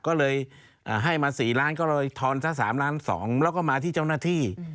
ก็เลยให้มา๔ล้านก็เลยทอนซะ๓ล้าน๒แล้วก็มาที่เจ้าหน้าที่